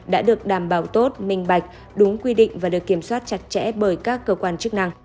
đã được đảm bảo tốt minh bạch đúng quy định và được kiểm soát chặt chẽ bởi các cơ quan chức năng